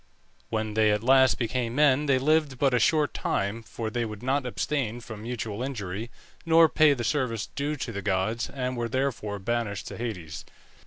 When they at last became men they lived but a short time, for they would not abstain from mutual injury, nor pay the service due to the gods, and were therefore banished to Hades.